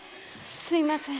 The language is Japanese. すみません。